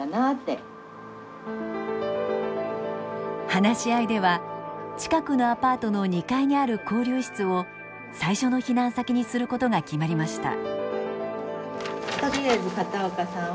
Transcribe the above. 話し合いでは近くのアパートの２階にある交流室を最初の避難先にすることが決まりました。